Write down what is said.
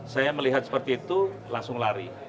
saya melihat seperti itu langsung lari